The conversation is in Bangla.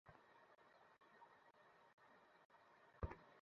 তাই বাংলাদেশের প্রচলিত আইন অনুযায়ী, রশিতে ঝুলিয়ে তাঁদের ফাঁসি দাবি করেছেন।